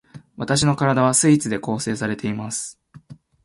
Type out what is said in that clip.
わたしの身体は全てスイーツで構成されています